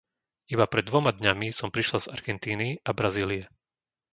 Iba pred dvoma dňami som prišla z Argentíny a Brazílie.